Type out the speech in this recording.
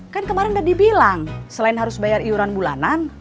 kan kemarin udah dibilang selain harus bayar iuran bulanan